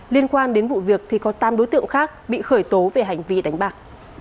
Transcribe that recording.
liên quan đến vụ việc thì có tám đối tượng khác bị khởi tố về hành vi đánh bạc